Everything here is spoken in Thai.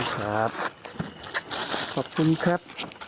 ครับขอบคุณครับ